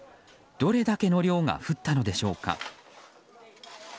どれだけの量が降ったのでしょうか。